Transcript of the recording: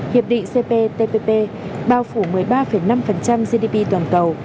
hiệp định cp tpp bao phủ một mươi ba năm gdp toàn cầu